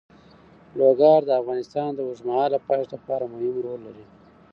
لوگر د افغانستان د اوږدمهاله پایښت لپاره مهم رول لري.